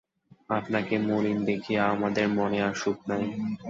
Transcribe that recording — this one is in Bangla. আপনাকে মলিন দেখিয়া আমাদের মনে আর সুখ নাই!